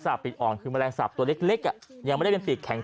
ปีกอ่อนคือแมลงสาปตัวเล็กยังไม่ได้เป็นปีกแข็ง